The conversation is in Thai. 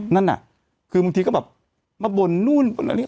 นั่นน่ะคือบางทีก็แบบมาบ่นนู่นบ่นอันนี้